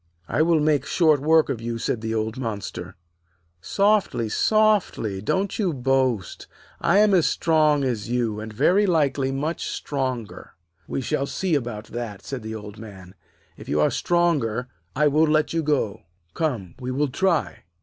'I will make short work of you,' said the old monster. 'Softly! softly! don't you boast. I am as strong as you, and very likely much stronger.' 'We shall see about that,' said the Old Man. 'If you are the stronger, I will let you go. Come; we will try.'